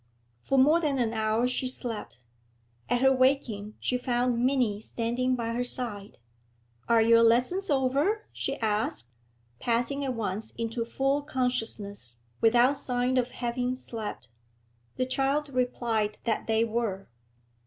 For more than an hour she slept. At her waking she found Minnie standing by her side. 'Are your lessons over?' she asked, passing at once into full consciousness, without sign of having slept. The child replied that they were.